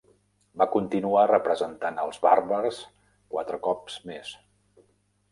Va continuar representant els Bàrbars quatre cops més.